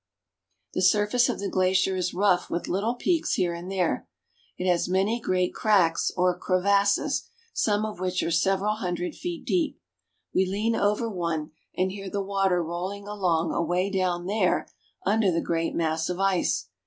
The surface of the glacier is rough with little peaks here and there. It has many great cracks or crevasses, some of which are several hundred feet deep. We lean over one and hear the water rolling along away down there under the great mass of ice.